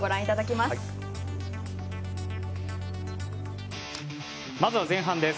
まずは前半です。